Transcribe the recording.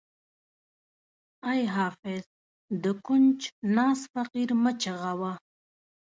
ای حافظ د کونج ناست فقیر مه چیغه وهه.